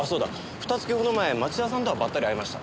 ふた月ほど前町田さんとはばったり会いました。